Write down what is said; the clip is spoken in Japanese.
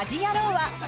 は。